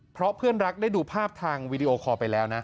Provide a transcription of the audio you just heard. เพราะเพื่อนรักได้ดูภาพทางวีดีโอคอลไปแล้วนะ